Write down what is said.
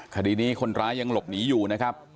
คดีนี้คนร้ายยังหลบหนีอยู่นะครับ